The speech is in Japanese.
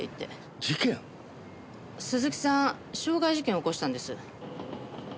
鈴木さん傷害事件を起こしたんです。